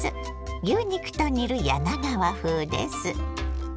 牛肉と煮る柳川風です。